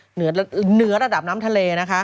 เหนือระดับน้ำทะเลนะคะ